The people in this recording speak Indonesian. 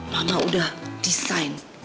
mama udah desain